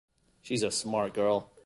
She’s a smart girl.